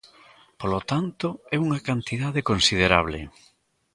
Polo tanto, é unha cantidade considerable.